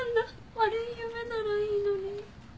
悪い夢ならいいのに。